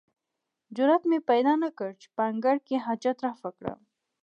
جرئت مې پیدا نه کړ چې په انګړ کې حاجت رفع کړم.